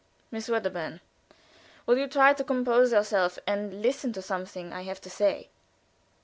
"Miss Wedderburn, will you try to compose yourself, and listen to something I have to say?"